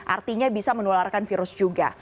artinya bisa menularkan virus juga